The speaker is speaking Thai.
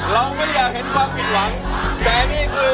โรงได้